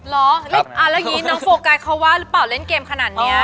แล้วอย่างนี้น้องโฟกัสเขาว่าหรือเปล่าเล่นเกมขนาดนี้